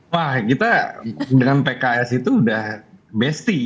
wah kita dengan pks itu udah besti